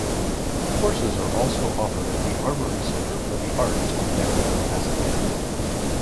Courses are also offered at the Armory Center for the Arts in downtown Pasadena.